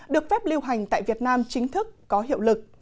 được phép lưu hành tại việt nam chính thức có hiệu lực